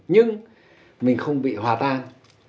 nhưng mình không bị hòa tan